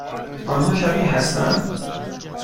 آنها شبیه هستند؟